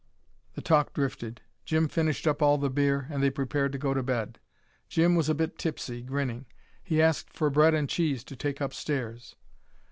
The talk drifted. Jim finished up all the beer, and they prepared to go to bed. Jim was a bit tipsy, grinning. He asked for bread and cheese to take upstairs.